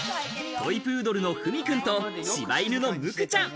トイプードルのフミくんと柴犬のムクちゃん。